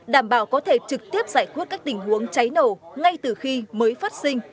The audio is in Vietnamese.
đảm bảo có thể trực tiếp giải quyết các tình huống cháy nổ ngay từ khi mới phát sinh